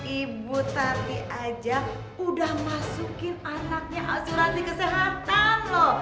ibu tapi aja udah masukin anaknya asuransi kesehatan loh